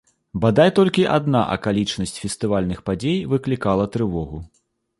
Бадай толькі адна акалічнасць фестывальных падзей выклікала трывогу.